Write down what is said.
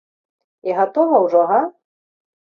І гатова ўжо, га?